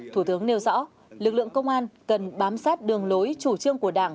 thủ tướng nêu rõ lực lượng công an cần bám sát đường lối chủ trương của đảng